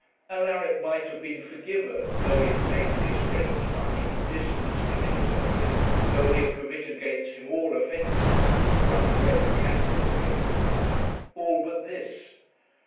Alaric might have been forgiven, though he had taken his friend's money, distanced him in his office, though he had committed against him all offences which one friend can commit against another, all but this.